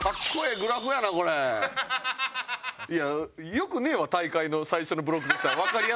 ・よくねえわ大会の最初のブロックにしたら。